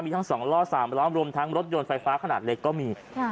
มีทั้ง๒ล้อ๓ล้อรวมทั้งรถยนต์ไฟฟ้าขนาดเล็กก็มี